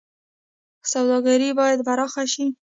سوداګري باید پراخه شي